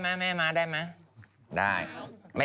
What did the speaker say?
แม่มาได้มา